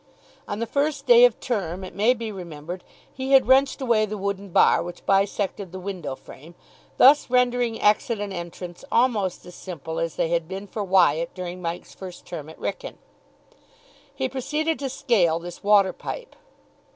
On the first day of term, it may be remembered he had wrenched away the wooden bar which bisected the window frame, thus rendering exit and entrance almost as simple as they had been for Wyatt during Mike's first term at Wrykyn. He proceeded to scale this water pipe.